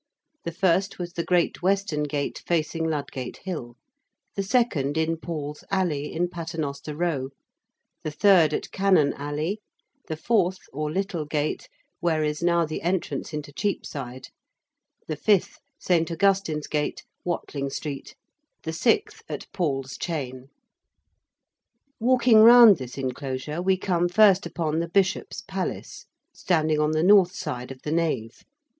The first was the Great Western Gate, facing Ludgate Hill: the second in Paul's Alley in Paternoster Row: the third at Canon Alley: the fourth, or Little Gate, where is now the entrance into Cheapside: the fifth, St. Augustine's Gate, Watling Street: the sixth at Paul's Chain. [Illustration: PAUL'S CROSS.] Walking round this enclosure we come first upon the Bishop's Palace, standing on the north side of the Nave.